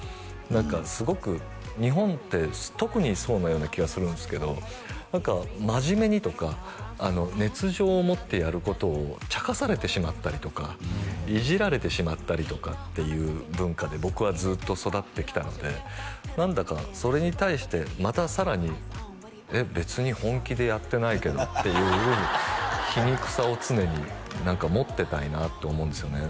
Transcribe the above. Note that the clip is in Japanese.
何かすごく日本って特にそうなような気がするんですけど真面目にとか熱情を持ってやることをちゃかされてしまったりとかイジられてしまったりとかっていう文化で僕はずっと育ってきたので何だかそれに対してまたさらに「えっ別に本気でやってないけど」っていう皮肉さを常に持ってたいなって思うんですよね